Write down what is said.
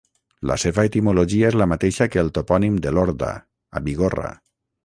La seva etimologia és la mateixa que el topònim de Lorda, a Bigorra.